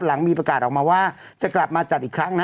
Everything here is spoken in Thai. หลังมีประกาศออกมาว่าจะกลับมาจัดอีกครั้งนะ